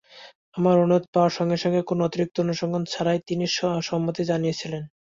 আমার অনুরোধ পাওয়ার সঙ্গে সঙ্গে, কোনো অতিরিক্ত অনুসন্ধান ছাড়াই, তিনি সম্মতি জানিয়েছিলেন।